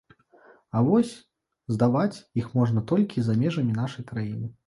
А вось здаваць іх можна толькі за межамі нашай краіны.